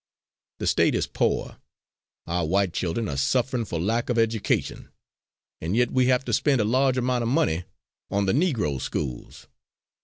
The State is poor; our white children are suffering for lack of education, and yet we have to spend a large amount of money on the Negro schools.